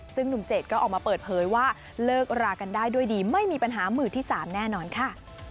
ซึ่งหนุ่มเจดก็ออกมาเปิดเผยว่าเลิกรากันได้ด้วยดีไม่มีปัญหามือที่๓แน่นอนค่ะ